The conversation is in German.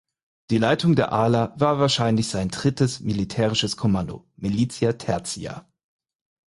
Die Leitung der Ala war wahrscheinlich sein drittes militärisches Kommando ("militia tertia").